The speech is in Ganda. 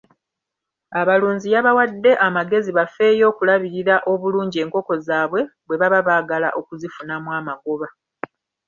Abalunzi yabawadde amagezi bafeeyo okulabirira obulungi enkoko zaabwe bwe baba baagala okuzifunamu amagoba.